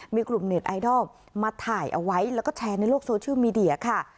มีกลุ่มเน็ตไอดอลมาถ่ายเอาไว้แล้วก็แชร์ในโลกโซเชียลมีเดียค่ะ